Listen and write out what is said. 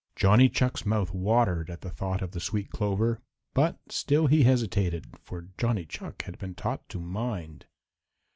Johnny Chuck's mouth watered at the thought of the sweet clover, but still he hesitated, for Johnny Chuck had been taught to mind.